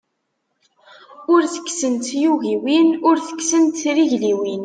Ur tekksent tyugiwin, ur tekksent trigliwin.